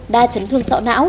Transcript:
đa chấn thương sọ não